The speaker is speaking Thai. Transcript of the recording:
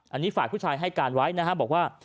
อันนี้ฝ่ายผู้ชายให้การไว้นะครับบอกว่า